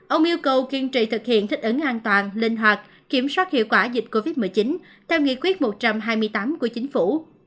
ông yêu cầu kiên trì thực hiện thích ứng an toàn linh hoạt kiểm soát hiệu quả dịch covid một mươi chín theo nghị quyết một trăm hai mươi tám của chính phủ